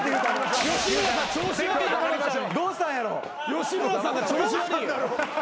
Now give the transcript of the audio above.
吉村さんが調子悪い。